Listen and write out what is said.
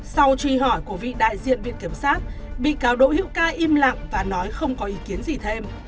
sau truy hỏi của vị đại diện viện kiểm sát bị cáo đỗ hữu ca im lặng và nói không có ý kiến gì thêm